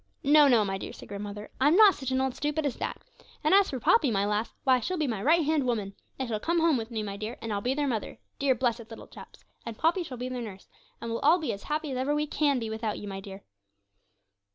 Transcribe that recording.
No, no, my dear,' said grandmother, 'I'm not such an old stupid as that. And as for Poppy, my lass, why, she'll be my right hand woman! They shall come home with me, my dear, and I'll be their mother dear, blessed little chaps and Poppy shall be their nurse, and we'll all be as happy as ever we can be without you, my dear.'